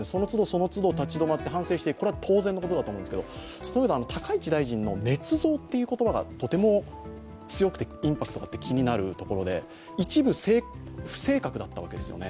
そのつど、立ち止まって反省していくことは当然だと思うんですが高市大臣のねつ造という言葉がとても強くてインパクトがあって、気になるところで、一部不正確だったわけですよね。